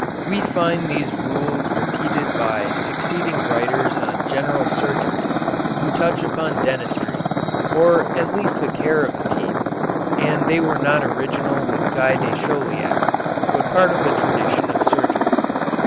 We find these rules repeated by succeeding writers on general surgery, who touch upon dentistry, or at least the care of the teeth, and they were not original with Guy de Chauliac, but part of the tradition of surgery.